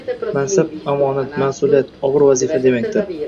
mansab omonat, mas’uliyat, og‘ir vazifa demakdir.